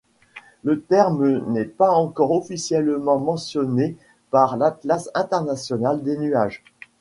Le terme n'est pas officiellement mentionné par l'atlas international des nuages.